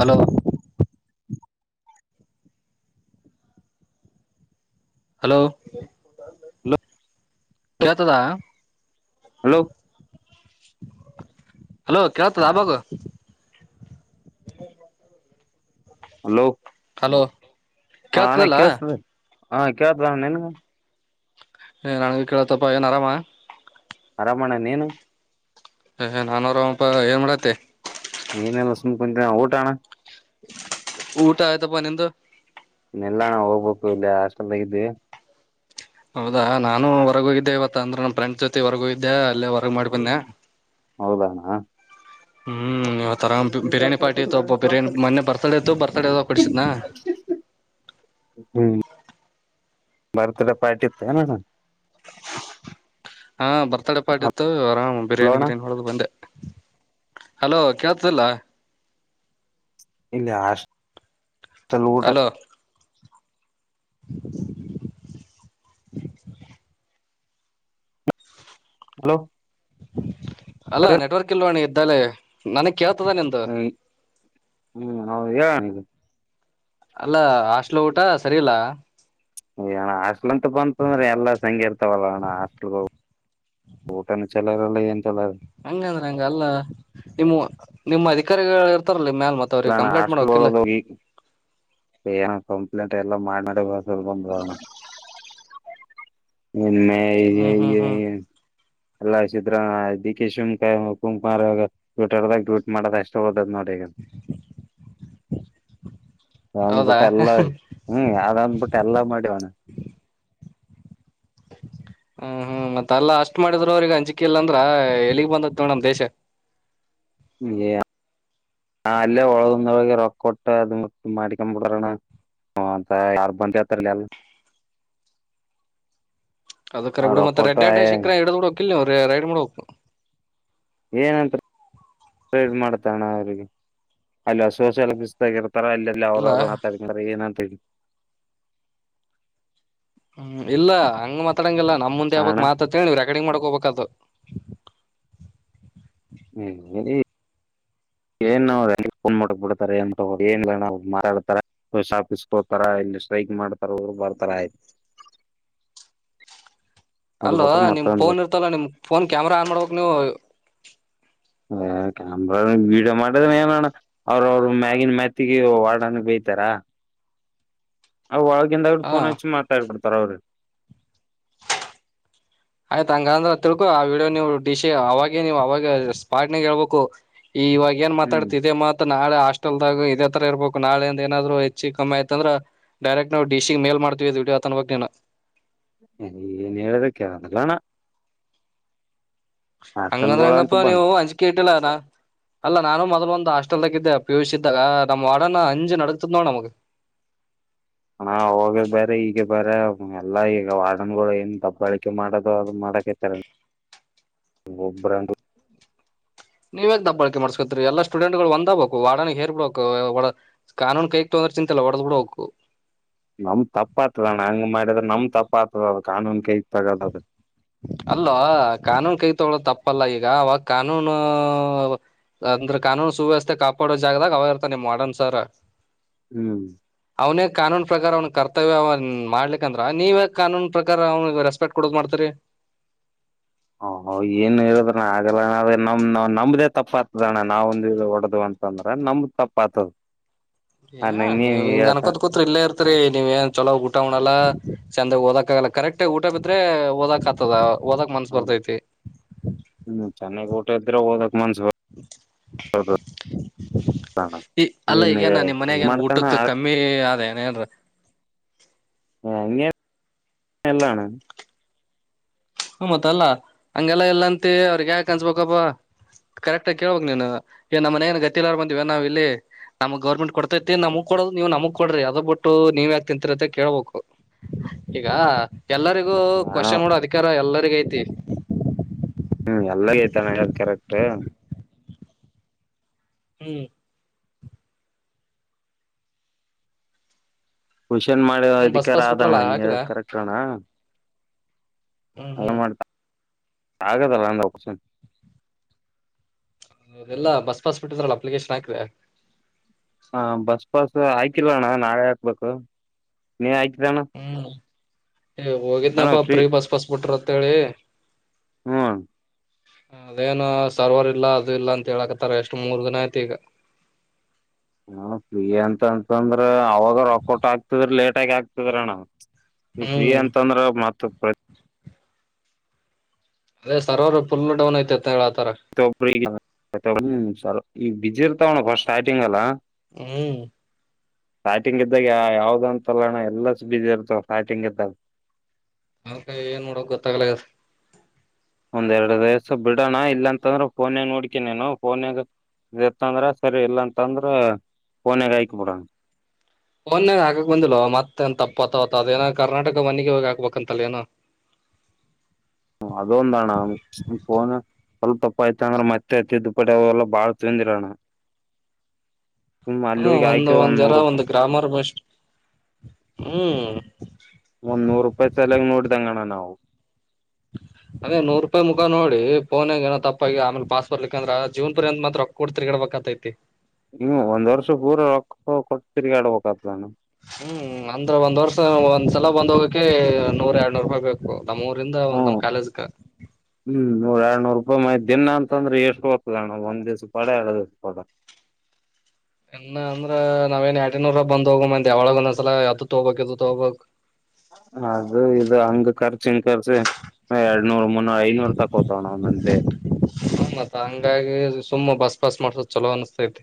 Hello hello hello ಕೇಳ್ತದ hello hello ಕತ ಅಬಾಗ ಹಲೋ ಹಲೋ ಆಣ ಕೇಳ್ತದಲ್ಲ ಕೇಳ್ಸ್ತದೆ. ಹಾ ಕೇಳ್ತದ ನಿನಗ? ಹ ನನ್ಗು ಕೇಳತಪ್ಪ ಏನ್ ಆರಾಮಾ? ಆರಾಮಣ್ಣ ನೀನು ಏಹ್ ನಾನೂ ಆರಾಮಪ್ಪ ಏನ್ ಮಾಡತ್ತಿ? ಏನೆಲ್ಲ ಸುಮ್ ಕುಂತೆ ಅಣ ಊಟ ಅಣ? ಊಟ ಆಯ್ತಪ ನಿಂದು? ಇಲ್ಲಣ ಹೋಗ್ಬೇಕು ಇಲ್ಲಿ ಹಾಸ್ಟೆಲ್ದಾಗ ಇದ್ವಿ ಹೌದಾ ನಾನು ಹೊರಗೋಗಿದ್ದೆ ಇವತ್ತ ಅಂದ್ರೆ ನನ್ ಫ್ರೆಂಡ್ಸ್ ಜೊತೆ ಹೊರಗೋಗಿದ್ದೆ ಅಲ್ಲೇ ಹೊರಗ್ ಮಾಡಿ ಬನ್ನೆ ಹೌದಣಾ ಹ್ಮ್ ಯಾವ್ತರ ಬಿರಿಯಾನಿ ಪಾರ್ಟಿ ಇತ್ತು ಒಬ್ಬ ಬಿರಿಯಾನಿ ಮೊನ್ನೆ ಬರ್ತಡೇ ಇತ್ತು ಬರ್ತಡೇ ಇದ್ದವ ಕೋಡಿಸಿದ್ನ ಬರ್ತ್ಡೇಡೇ ಪಾರ್ಟಿ ಇತ್ತೇನಣ ಹಾ ಬರ್ತ್ಡಡೆ ಪಾರ್ಟಿ ಇತ್ತು ಆಮ್ ಬಿರ್ಯಾನಿ ಹಲೋಣ ಗಿರ್ಯಾನ್ ಹೊಡದ್ ಬಂದೆ. ಹಲೋ ಕೇಳ್ತದಲ್ಲ ಇಲ್ಯ ಆಶ್ ಚಲೂಟ ಹಲೋ [unintelligible] ಹಲೋ ಅಲ್ಲ ನೆಟ್ವರ್ಕ್ ಇಲ್ವಾಣೆ ದಲೇ ನನಿಗ್ ಕೇಳ್ತದ ನಿಂದು ಹ್ಮ್ ಹೌದು ಹೇಳಣ ಈಗ ಅಲ್ಲ ಹಾಸ್ಟ್ಲಾ ಊಟ ಸರಿ ಇಲ್ಲಾ? ಎ ಅಣ ಹಾಸ್ ಟಲ್ ಅಂತ ಬಂತಂದ್ರೆ ಎಲ್ಲಾ ಸಂಗೆ ಇರ್ತಾವಲ್ಲ ಅಣ ಹಾಸ್ಟಲ್ಗೋ ಊಟನು ಚಲೋ ಇರಲ್ಲ ಏನು ಚಲೋ ನಂಗ ಅಲ್ಲ ನಿಮ್ಮ ನಿಮ್ಮ ಅಧಿಕಾರಿಗಳು ಇರ್ತಾರಲ್ಲ ಮ್ಯಾಲ ಮತ್ತ ಅವ್ರಿಗೆ ಇಲ್ಲಾನಾ ಕಂಪ್ಲೇಂಟ್ ಹಾಸ್ಟ್ಲು ಮಾಡ್ಬೇಕಿಲ್ಲ ಒಳಗ್ [unintelligible] ಕಂಪ್ಲೇಂಟ್ ಎಲ್ಲ ಮಾಡ್ ಮಾಡೇ ಬಂದ್ [unintelligible] ಇನ್ಮೇ ಯ ಯ ಹ್ಮ್ ಹ್ಮ್ ಯ ಹ್ಮ್ ಯ ಎಲ್ಲ ಸಿದ್ರ ಡಿ ಕೆ ಶಿವಕ ಕುಂಕುಮಾರ್ ಟ್ವಿಟ್ಟರ್ ದಾಗ ಟ್ವೀಟ್ ಮಾಡದ ಅಷ್ಟ್ ಓದದ್ ನೋಡ್ ಈಗ ಒಂದ್ ಹೌದಾ ಬಿಟ್ಟ್ ಎಲ್ಲ ಹ್ಮ್ ಯಾರಂದ್ ಬಿಟ್ಟ ಎಲ್ಲಾ ಮಾಡಿವಣ. ಹ್ಮ್ ಹ್ಮ್ ಮತ್ತ ಅಲ್ಲಾ ಅಷ್ಟ್ ಮಾಡಿದ್್ರ ಅವ್ರಿಗೆ ಅಂಜಿಕೆ ಇಲ್ಲ ಅಂದ್ರ ಎಲ್ಲಿಗ್ ಬಂದತ್ವ ನಮ್ ದೇಶ ಅಲ್ಲೇ ಒಳಗಂದೊಳಗೆ ರೊಕ್ಕ ಕೊಟ್ಟ ಅದುಟ್ಟ ಮಾಡಿಕೊ್ಬಿಡ್ರಣ ಅಂತ ಕಾರ್ಬ ಹತ್ರಲ್ಲ ಅಲ್ಲ ಅದ ಕರ ಬಿ ಮತ್ತೆಡ್ಂಡೆ ಶಿಖ ಎಡುಡು ಲ್ಲ ಒ ಐಡು ಮಳ ಹಪ್ಪ ಏನಂತ ಟ್ರೈಡ್ ಮಾಡ್ತಣ ಅವಿಗೆ ಅಲ್ಲಿ ಸೋಶಾಲಿಸ ಆಗಿತ್ತ. ರ ಅಲ್ಲೆಲ್ಲ ಅವ್ರ ಇಲ್ಲ ಅವ್ರ ತಂಗಾರ ಏ ಅಂತ ಹೇಳಿ ಹ್ಮ್ ಇಲ್ಲ ಹಂಗ ಮಾತಾಡಂಗಿಲ್ಲ ನಮ್ಮ ಮುಂದೆ ಯಾವಾಗ ಮಾತಂತ ಹೇಳಿ್ರಾ ಗಡಿ ಮಾಡ್ಕ ಹೋಗಬೇಕದು ಹ್ಮ್ ಹೇಳ ಏನ್ ಫೋನ್ ಮಾಡಕ್ ಬಿಡ್ತಾರ ಏನ್ ಮಾರಾಡ್ತಾರ ಶಾಫೀಸ್ ಹೋತಾರ ಇಲ್ಲಿ ಸ್ಟ್ರೈಕ್ ಮಾಡ್ತಾರ ರು ಬರ್ತಾರ ಆಯ್ತ ಅಲ್ಲ ನಿಮ್ ಮತ್ತೊಂದು ಫೋನ್ ಇರ್ತಲ್ಲ ನಿಮ ಫೋನ್ ಕ್ಯಾಮರಾ ಆನ್ ಮಾಡ್ಕ್ ನೀವು ಕ್ಯಾಮ್ರ ವಡಿಯೋ ಮಾಡದ್ರ ಏನಣ ಅವ್ರ ಅವರು ಮ್ಯಾಗಿನ್ ಮ್ಯಾತಿಗೆ ವಡನ್ ಬೇಯತಾರ ಅವವು ಒಳಗಿಂದ ೋ ಹಾ ಹಚ್ಚಿ ಮಾತಾಡ್ಬಡ್ು ತರವರು ಹಂಗ ಅಂದ್ರ ತಿಳ್ಕು ಆ ವಡಿಯೋ ನೀವು ಡಿಶ ಅವಾಗೇ ನೀವು ಅವಾಗ ಸ್ಪಾಟ್ ನಾಗ ಹೇಳ್ಬೇಕು ಇವಾಗ ಏನ್ ಹ್ಮ್ ಮಾತಾಡ್ತಿದೆ ಮಾ ನಾಳೆ ಹಾಸ್ಟೆಲ್ದಾಗ ಇದೇ ತರ ಇರ್ಬೇಕು ನಾಳ ಅಂದ ಏನಾದ್ರು ಹೆಚ್ಚಿಗೆ ಕಿ ಆಯತ ಅಂದ್ರೆ ಡೈರೆಕ್ಟ್ ನವು ಡಿಶಿಗೆ ಮೇಲ್ ಮಾಡತವಿ ವಿಡಿಯೋ ಅ ತನ್ ನೀನು ಏನ್ ಹೇಳೋದಕ್ಕೆದಲ್ಲಣ ಹಂಗಂದ್ರೆ ಹಾಸ್ಟೆಲ್ಗಳ ಅಂತ ಹಂಗಪ್ಪ ನೀವು ಬಂದ್ ಅಂಜಿಕೆ ಇಟ್ಟಿಲ್ಲ ಅಲ್ಲ ನಾನು ಮೊದ್ ಒ ಹಾಸ್ಟೆಲ್ದಾಗ ಇದ ಪಿಯೂಷ್ ಇದ್ದಾಗ ನಮ್ಮ್ ವಡನ ಅಂಜ್ ನಡತದ ನೋಡ ನಮಗ ಹ ಹೋಗ ಬೇರೆ ಈಗೆ ಬೇರೆ ಎಲ್ಲಾ ಈಗ ವಾರ್ಡನ್ಗಳು ಏನ್ ದಬ್ಬಾಳಿಕೆ ಮಾಡೋದು ಅದು ಮಾಡಕೇತರ ಒಬ್ರ ನೀವೇಗ್ ದಬ್ಬಾಳಕೆ ಮಾಡಸ್ಕೊತ್ರಿ ಎಲ್ಲ ಸ್ಟೂಡೆಂಟ್ ಗಳು ಒಂದ ಬಬೇಕು ವಾಡನ ಹೇರ್ ಬಿಡಕ್ು ಒ ಕಾನೂನ್ ಕೈಕ್ ತಂದ್ರೆ ಚಿಂತೆಿಲ್ಲಲ್ಲ ಹೊಡೆದ್ ಬಿಡಬೇಕು ನಮ್ ತಪ್ಪ ಆತದಣ್ಣ ಹಂಗ್ ಮಾಡಿದ್ರ ನಮ್ ತಪ್ಪ ಆತದ ಕಾನೂನ್ ಕೈ ತಗದದು ಅಲ್ವಾ ಕಾನೂನು ಕೈ ತಗಳೋ ತಪ್ಪ ತಪ್ಪಲ್ಲ ಈಗ ಅವಾಗ ಕಾನೂನು ಅಂದ್ರ ಕಾನೂನು ಸುವ್ಯವಸ್ಥೆ ಕಾಪಾಡೋ ಜಾಗದಾಗ ಅವಾಗ ಇರ್ತ ನಿ್ ಮಾಡರ್ನ್ ಸರ್ ಹ್ಮ್ ಅವನ ಕಾನೂನು ಪ್ರಕಾರ ಅವ ಕರ್ತವ್ಯ ಮಾಡ್ಲಿ ಅಂದ್ರ ನೀವೇ ಕಾನೂನು ಪ್ರಕಾರ ಅವನ್ಯಸ್ ಪೆಟ್ ಕೊಡಕ್ ಮಾಡ್ತರಿ ಹ ಏನು ಹೇಳುದ್ರಣ ಆಲ್ಲ್ರ ನಮ್ ನಾವ್ ನಮ್ದೇ ತಪ್ಪ ಆತದಣ್ಣ ನಾವೊಂದ ಹೊಡದ್ ಅಂತಂದ್ರ ನಮ್ದ ತಪ್ಪ ಆತದ ಅ ಏ ನೀ ನೀವ್ ಹಿಂಗ ಹೇಳ್ತ ಅನ್ಕೋತ್ ಕೂತ್ ಇಲ್ಲೇ ಇರ್ತರಿ ನೀವ ಏನ್ ಚೊಲೋ ಊಟ ಉಣಲ್ಲ ಚೆಂದಾಗ ಓದಕ್ ಆಗಲ್ಲ ಕರೆಕ್ಟ್ ಊಟ ಬಿದ್ರೆ ಓದಕ್ ಆಗ್ತದ ಓದಕ್ ಮನ್ಸ ಬರ್ತೈತಿ ಚೆನ್ನಾಗ ಊಟ ಇದ್ರೆ ಹೋದ ಬರ್ತಣ ಈ ಅಲ್ಲ ಏನ್ ಈಗೇನ ನಿಮ್ಮ್ ಮನಯಾಗ ಏನ್ ಮಾಡ್ತಣ ಊಟಕ್ಕೆ ಕಮ್ಮಿ ಅ ಏನೇನ್ರ ಹಂಗೇ ಎಲ್ಲಣ ಹ್ಮ ಮತ್ತಲ್ಲಾ ಹಂಗೆಲ್ಲಾ ಇಲ್ಲಂತಿ ಅವ್ರಗ್ ಯಾಕ ಅನ್ಸ್ಬೇಕಪ್ಪಾ ಕರೆಕ್ಟ್ ಆಗ ಕೇಳ್ಬೇಕಕ್ ನೀನು ಈ ನಮ್ಮ ಮನೇನ್ ಗತಿಲಾರ ಬಂದಿವ ನಾವ ಇಲ್ಲಿ ನಮಗ್ ಗೌರ್ಮೆಂಟ್ ಕೊಡ್ತೈತಿ ನಮಗ್ ಕೊಡದು ನೀವ್ ನಮಗ್ ಕೊಡ್ರಿ ಅದ ಬಿಟ್ಟು ನೀವ್ ಯಾಕ ತಿಂತರತ್ತ ಕೇಳ್ಬೇಕು ಈಗ ಎಲ್ಲರಿಗೂ ಹಣ ಕ್ವಶನ್ ನೋಡ ಅದಕ್ಕೆ ಎಲ್ಲರಿಗಐತಿ. ಹ್ಮ್ ಎಲ್ಲಗೈತಾನ ಹೇಳದ್ ಕರೆಕ್ಟ್. ಹ್ಮ್. ಕ್ವಷನ್ ಮಾಡಿ ಮತ್ತೇನ್ ಬಸ್ ಅಧಿಕಾರ ಪಾಸ್ ಬಿಟ್ರಲ್ಲ ಆದಣ್ಣ ನೀ ಹಾಕಿದ ಕರೆಕ್ಟಣ. ಹ್ಮ್ ಹ್ಮ್. ಆಗದಲ್ಲ ಅಂದ ಒಸನ್. ಇದೆಲ್ಲಾ ಬಸ್ ಪಾಸ್ ಬಿಟ್ಟಿದ್ರಲ್ಲ ಅಪ್ಲಿಕೇಶನ್ ಹಾಕಿದೆ. ಹ ಬಸ್ ಪಸ್ ಆಯ್ಕಲ್ಣ್ಣ ನಾಳೆ ಹಾಕ್ಬೇಕು ನೀ ಆಯ್. ಜಣ. ಹೋಗಿದ್ನಪ್ಪಾ ಬ್ರೀ ಬಸ್ ಬಸ್ ಬಿಟ್ರ. ತ್ತಳ. ಹೂ ಅಣ್ಣ ಅದೇನು ಸರ್ವರ್ ಇಲ್ಲ ಅದು ಇಲ್ಲ ಅಂತ ಹೇಳಕತ್ತಾರ ಎಷ್ಟು ಮೂರ್ ದನ ಆಯತಿ ಈಗ ಹೂ ಪ್ರೀ ಅಂತ ಅಂತಂದ್ರ ಅವಾಗ ರೊಕೋಟ್ ಆಗ್ತದ್ರ ಲೇಟ್ ಆಗ್ತದರೋಣ ಈ ಪ್ರೀ ಹ್ಮ್ ಅಂತಂದ್ರ ಮತ್ ಹತ್ತು ಅದೇ ಸರ್ವರ್ ಫಲ್ ಡೌನ್ ಐ್ತತಿ ೊಬ್ಬರು ಈಗ ಹ್ಮ ಸ ಈ ಬ ಬಿಜಿ ಇರ್ತಾವಣ್ಣ ಸ್ಟಾರ್ಟಿಂಗ್ಲ್ಲ. ಹೂ ಫ್ಯಾಟಿಂಗ್ ಇದ್ದಾಗ ಯಾವ್ದ ಅಂತ ತಲ್ಲೋಣ ಎಲ್ಲ ಸ ಬಿದಿ ಇರ್ತವ ಫ್ಯಾಟಿಂಗ್ ಇದ್ದಾಗ. ಅವಕಾಯ ಏನ್ ನೋಡೋಕ್ ಗೊತ್ತಾಗ್ಲ. ಒಂದೆರಡು ವಯಸ್ಸ ಬಿಡೋಣ ಇಲ್ಲಾಂತಂದ್ರ ಫೋನ್ಾಗ ನೋಡ್ಕ ನೀನು ಫೋನ್ಾಗ ಇತ್ತಂದ್ರ ಸರಿ ಇಲ್ಲ ಅಂತಂದ್ರ ಫೋನ್ಾಗ ಆಯಕ ಬಿಡಣ. ಮೊನ್ನೆ ಹಕಕ್ ಬಂದಿಲ್ವ ಮತ್ತ ಏನ್ ತಪ್ಪತತ ಅದೇಏನ ಕರ್ನಾಟಕ ಮನ್ನಿಗೆ ಹೋಗಿ ಹಾಕ್ಬೇಕಂತಲ್ಲ ಏನೋ. ಅದೊಂದ ಅಣ್ಣ ಫೋನ್ ಸ್ವಲ್ಪ ತಪ್ಪ ಆಯ್ತ ಅಂದ್ರೆ ಮತ್ತೆ ತಿದ್ದದುಪಟ್ಟ ಅವೆಲ್ಲ ಬಾಳ್ ತಂದಿರಣ್ಣ. ಹೂ ಒಂದ್ ಒಂದ್ ಜರ ಒಂದ್ ಗ್ರಾಮರ್ ಬಷ್ಟ. ಹೂ ಒಂದ್ ನೂರು ರೂಪಾಯಿ ಸಲಯಾಗ ನೋಡಿದಂಗಣ ನಾವು ಅದೇ ನೂರು ರೂಪಾಯಿ ಮುಖ ನೋಡಿ ೋನ್ಾಗ ಏನ ತಪ್ಪಾಗಿ ಆಮೇಲೆ ಪಾಸ್ಪರ್ಡ್ಲಿಕ್ಕ ಅಂದ್ರ ಆ ಜೂನ್ ಪರ್ಯತ್ ಮಾತ್ರಕ್ಕ ಕೊಡ್ ತಿರ್ಗಿಡ್ಬೇಕಂತೈತಿ. ಹ ಒಂದ್ ವರ್ಷ ಪೂರ ರೊಕ್ಕ ಕೊಟ್ಟ ತಿರ್ಗಾ ಆಡ್ಬಬೇಕಾದ. ಹೂ ಅಂದ್ರ ಒಂದ್ ವರ್ಷ. ಒಂದ್ ಸಲ ಬಂದೋಗಕ್ಕೆ ನೂರ್ ಎರಡ್ನೂರು ರೂಪಾಯಿ ಬೇಕು. ನಮ್ಮ್ ಊರಿಂದ ಒಂದು ನಮ್ ಹ್ಮ್ ಕಾಲೇಜಕ. ಅಬ್ ಮ ದಿನ ಅಂತಂದ್ರೆ ಎಷ್ಟು ಗ್ತದಣ್ಣ ಒಂದ್ ದಿವ್ಸ ಪಾಡ ಎರಡು ದಿವ್ಸ ಪಡ ಇನ್ನ ಅಂದ್ರ ನಾವೇನ್ ಎಟನೂರ ಬಂದ್ ಹೋಗ ಮತ್ ಯಾವಳಗ ಒಂದ್ಸಲ ಯತ್ ತೋಗ್ಬೇಕಕ್ ಇ ತೋಗಬಬೇಕಕ್ ಅದು ಇದು ಹಂಗ ಕರ್ ಸಿಂಕರ್ಸ ಎರಡ್ನೂರ್ ಮುನ್ನೂರ ಐನೂರ್ ತಕೋತವ ನ ನಂದೆ ಹತ್ತ ಹಂಗಾಗಿ ಸುಮ್ಮ ಬಸ್ ಫಾಸ್ಟ್ ಮಾಡ್ಸೋ ಚಲೋ ಅಿಸ್ತತೆ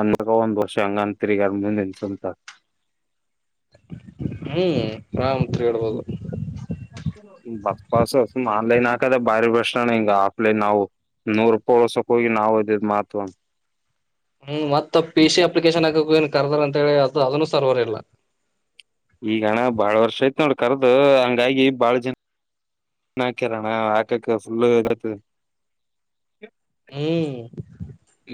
ಅಂದಕ ಒಂದು ವರ್ಷ ಅಂಗಾನ ತಿರಿಗಾರ ಮುಂದೆ ಸುಟ ಹೂ ಆರಾಮ್ ತಿರುಗಬಹುದು ಬಾಸು ಆನ್ಲೈನ್ ಹಾಕದ ಬಾರಿ ಬೇಸ್ಣ್ಟ. ಹಿಂಗ ಆಫ್ಲೈನ್ ನಾವು ನೂರ್ ರೂಪಾಯಿ ಉಳಸಕ್ ಹೋಗಿ ನಾವ್ ಅದಿದ್ ಮಾಹತ್ವ. ಹ್ಮ್, ಮತ್ತ ಪಿ, ಸಿ ಅಪ್ಲಿಕೇಶನ್ ಆಕಾ ಹೋಗಿನಿ. ಕ ಏನ್ ಕರ್ದರ್ ಅಂತ ಹೇಳಿ ಅ ಅದನ್ನು ಸರ್ವರ್ ಇಲ್ಲ. ಈಗಣ್ಣ ಬಾಳ ವರ್ಷ ಯ್ತ್ ಅಣ್ಣ ಕರ್ದು. ಹಂಗಾಗಿ ಬಾಳ ಜನ ಹಾಕ್ಯರಣ ಹಾಕಕ್ ಫುಲ್ ಇತ ಹ್ಮ್,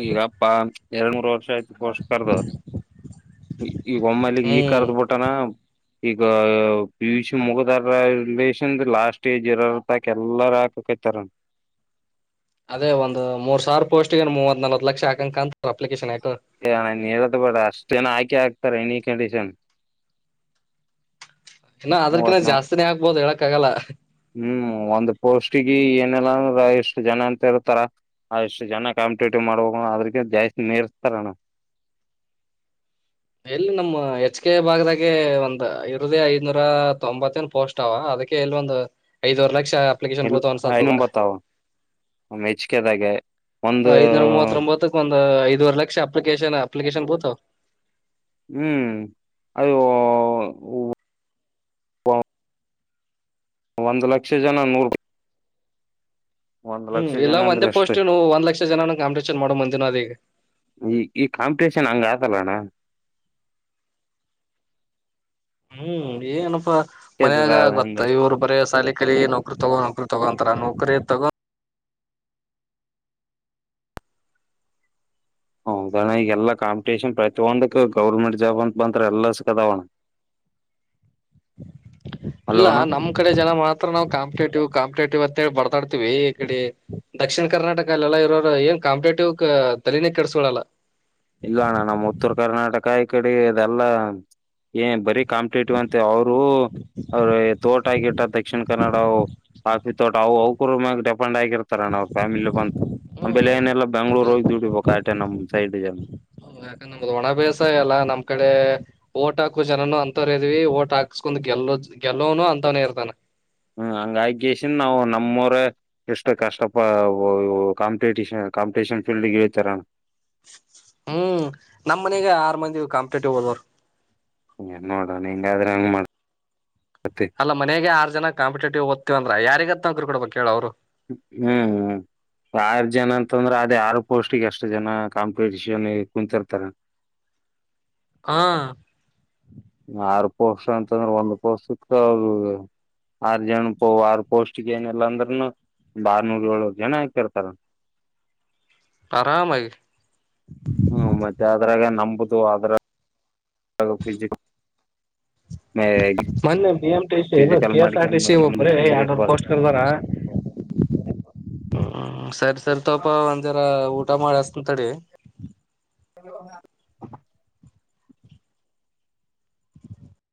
ಈಗಪ್ಪಾ ಎರಡ್ ನೂರ್ ವರ್ಷ ಆಯ್ತು ಪೋಸ್ಟ್ ಕರ್ದು, ಈಗ ಒಮ್ಮಲ್ಲ ಈಗ ಹ್ಮ್ ಕರ್ದ ಬಿಟ್ಟಾನ. ಈಗ ಪಿ, ಯು, ಸಿ ಮುಗದಾರ ರಿಲೇಷನ್ ಲಾಸ್ಟ್ ಏಜ್ ಇರ ತಕ ಎಲ್ಲಾರ ಹಾಕಕತಾರ. ಅದೇ ಒಂದು ಮೂರ್ ಸಾವಿರ ಪೋಸ್ಟ್ ಏನ್ ಮೂವತ್ ನಲ್ವತ ಲಕ್ಷ ಹಾಕಂಗ ಕಾಣತದ ಅಪ್ಲಿಕೇಶನ್. ಆಕ್ ಅಣ ನೀನ ಹೇಳದೆ ಬೇಡ ಅಷ್ಟುಏನ ಹಾಕೆ ಹಾಕ್, ಎನಿ ಕಂಡಷನ್. ಇನ್ನು ಅದರಕಿ ಜಾಸ್ತಿನೇ ಆಕಗ್ಬಹುದು ಹೇಳಕ್, ಹಾಗೆಲ್ಲ. ಹ್ಮ್, ಒಂದ್ ಪೋಸ್ಟಗಿ ಏನಲ್ಲ ಅಂದ ಇಷ್ಟು ಜನ ಅಂತ ಇರ್ತಾರ. ಆ ಇಷ್ಟು ಜನ ಕಾಂಪಿಟೇಟಿವ್ ಮಾಡ್ಬೇಕ ಅದ್ರಕಿನ ಜಾಸ್ತಿ ಮೀರ್ಸ್ತಾರ ಅಣ್ಣ. ಎಲ್ಲಿ ನಮ್ಮ ಹೆಚ್, ಕೆ ಭಾಗದಾಗೆ. ಒಂದ್ ಇರುದೇ ಐದ್ನೂರ ತೊಂಬತ್ತನ್ ಪೋಸ್ಟ್ ಅವ. ಅದಕ್ಕೆ ಎಲ್ಲಿ ಒಂದು ಐದವರೆ ಲಕ್ಷ ಅಪ್ಲಿಕೇಶನ್ ಬೂತ ಇಲ್ಲ ಅನ್ಸತದ ನುಂಬತ್ತಾವ ಮೆಚ್ಚಿಗೆದಾಗೆ [unintelligible] ಹ, ಐದನೂರ ಮೂವತರೊಂಬತ್ತಕ್, ಒ ಐದವರೆ ಲಕ್ಷ ಅಪ್ಲಿಕೇಶನ್, ಅಪ್ಲಿಕೇಶನ್ ಬೂತಾವ. ಹ್ಮ್, ಅದು ಒಂದು ಲಕ್ಷ ಜನ ನೂರು ಹ್ಮ್, ಇಲ್ಲಾ ಅಂದ್ರೆ ಒಂದೇ ಅಷ್ಟೇ ಪೋಸ್ಟ್ ಒಂದ್ ಲಕ್ಷ ಜನ ಕಾಂಪಿಟೀಷನ್ ಮಾಡ ಬಂದಿನ ಅದಾಈಗ. ಲಣ [unintelligible] ಹ್ಮ್, ಏನಪ್ಪಾ... ಮನ್ಯಾಗ ಹಂಗ ಗೊತ್ತ ಇವ್ರು ಬರೇ ಶಾಲಿ ಕಲಿ ನೌಕ್ರರು ತಗೋ ನೌಕ್ರ ತಗೊಂತರ ನೌಕರಿ, ತಗೊಂಡ ಹೌದಣ, ಈಗೆ ಎಲ್ಲಾ ಕಾಂಪಿಟೇಷನ್ ಪ್ರತಿಯೊಂದಕ್ ಗೌರ್ಮೆಂಟ್ ಜಾಬ್ ಅಂತ ಬಂದ್ರ ಎಲ್ಲಸುಅದಾವಣ್ಣ. ಇಲ್ಲ ನಮ್ಮ್ ಕಡೆ ಜನ ಮಾತ್ರ ನಾವು ಕಾಂಪಿಟೇಟಿವ್ ಕಾಂಪಿಟೇಟಿವ್ ಅಂತಿ ಬರ್ತಾಡ್ತತಿವಿ. ಈ ಕಡೆ ದಕ್ಷಿಣ ಕರ್ನಾಟಕ ಅಲ್ಲ ಇರೋರು ಏನ್ ಕಾಂಪಿಟೇಟಿವ್ ತಲೀನೆ ಕೆಡಸಿಕೊಳಲ್ಲ. ಇಲ್ಲ ಅಣ್ಣ ನಮ್ಮ ಉತ್ತರ ಕರ್ನಾಟಕ ಕಾಯಿ ಕಡೆ ಅದೆಲ್ಲ ಏ ಬರಿ [unintelligible] ಕಾಂಪ್ಲೀಟಿವ್ ಅಂತ ಅವರು ಅವ್ರ ತೋಟ ಗಿಟ ದಕ್ಷಿಣ ಕನ್ನಡ ತಾವುಕರ ಮ [unintelligible] ಪೊಂಡ್ ಆಗಿರ್ತಾರಣ ಪಾಮಿಲಿ ಬಂತು ಆಮೇಲೆ ಹ್ಮ್ ಏನೆಲ್ಲ ಬೆಂಗಳೂರು ಹೋಗಿದುಡಿಬೇಕ. ಆಟೆನಮ್ಮ ಸೈಡ್ ಜ ಯಾಕಂದ ನಮ್ದ್ ಒಣ ಬೇಸಾಯಲ್ಲ. ನಮ್ ಕಡೆ ಓಟ್ ಹಾಕೋ ಜನನು ಅಂತವರೆಇದೀವಿ ಓಟ್ ಹಾಕ್ಸ್ಕೊಂಡ್ ಗೆಲ್ಲೋ ಗೆಲ್ಲೋನು ಅಂತವನೇ ಇರ್ತಾನ. ಹ್ಮ್, ಹಂಗ ಆಗಿಗೆಸಿಂದ. ನಾವು ನಮ್ಮವರ ಎಷ್ಟು ಕಷ್ಟ ಪ ಕಾಂಪಿಟಷನ್, ಕಾಂಪಿಟಷನ್ ಫೀಲ್ಡ್ ಹಚಾರಣ್ಣ. ಹ್ಮ್, ನಮ ಮನೆಗೆ ಆರ್ ಮಂದಿ ಕಾಂಪಿಟೇಟಿವ್ ಹೋದರು. ಹ ನೋಡೋಣ ಹಿಂಗಾದ್ರೆ ಹೆಂಗಮಾಡ್ತಿ, ಅಲ್ಲ ಮನೆಗೆ ಆರ್ ಜನ ಕಾಂಪಿಟೇಟಿವ್ ಓದತಿರಂದ್ರ ಯಾರಿಗ ರು ಕೊಡ ಬೇಕೇಳ ಅವರು. ಹ್ಮ್, ಹ್ಮ್ ಆರ ಜನ ಅಂತಂದ್ರೆ, ಅದೇ ಆರು ಪೋಸ್ಟಿಗೆ ಎಷ್ಟು ಜನ ಕಾಂಪಿಟಷನ್ ಕುಂತಿರ್ತಾರ. ಹಾ. ಆರು ಪೋಸ್ಟ್ ಅಂತಂದ್ರ ಒಂದ್ ಪೋಸ್ಟ್ ಸಿಕ ಆರ್ ಜನ ಪ ಆರ್ ಪೋಸ್ಟ್ಗೆ ಏನಿಲ್ಲಾ ಅಂದ್ರನು ಬಾರ್ನೂರ್ ಏಳ್ರ್ ಜನ ಹಾಕಿರ್ತಾರ. ಆರಾಮ. ಹ್ಮ್ ಮತ್ತೆ ಅದ್ರಾಗ ನಂಬುದು ಅದ್ರ. ಮೊನ್ನೆ ಬಿ ಎಂ ಟ ಸಿ ಇ K S R T C ಒಬ್ರಿ ಎರಡರು ಮಾಡ್ಕೊಂಡ್ ಪೋಸ್ಟ್ ಕರ್ದಾರ. ಹ. ಸರಿ ಸರ್ ತೋಪ ಒಂದ ಜರ ಊ. ಊಟ ಮಾಡಸಂತಡೆ. ಹ.